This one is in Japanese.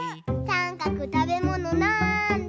さんかくたべものなんだ？